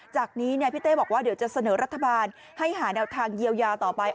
จากนี้พี่เต้บอกว่าเดี๋ยวจะเสนอรัฐบาลให้หาแนวทางเยียวยาต่อไป